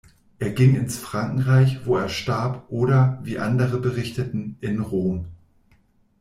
Er ging ins Frankenreich, wo er starb, oder, wie andere berichten, in Rom.